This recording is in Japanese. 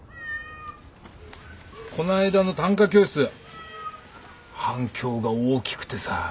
この間の短歌教室反響が大きくてさ。